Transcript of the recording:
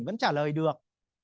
vẫn trả lời được